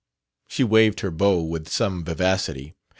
She waved her bow with some vivacity.